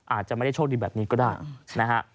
อาจจะไม่ได้โชคดีแบบนี้ก็ได้นะฮะ